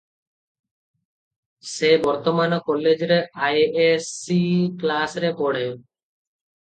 ସେ ବର୍ତ୍ତମାନ କଲେଜରେ ଆଏ, ଏସ୍. ସି. କ୍ଲାସରେ ପଢ଼େ ।